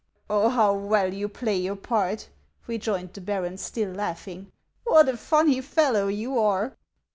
" Oh, how well you play your part !" rejoined the baron, still laughing ;" what a funny fellow you are